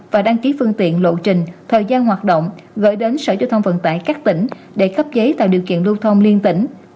và đăng ký phương tiện lộ trình thời gian hoạt động gửi đến sở giao thông vận tải các tỉnh để cấp giấy tạo điều kiện lưu thông liên tỉnh